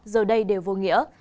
giờ đây đều vô nghĩa